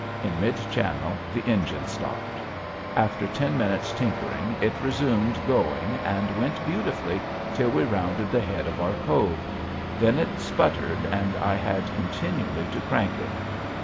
In mid channel the engine stopped. After ten minutes' tinkering it resumed going and went beautifully till we rounded the head of our cove. Then it sputtered and I had continually to crank it.